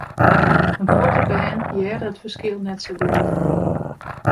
In protte bern hearre it ferskil net sa goed.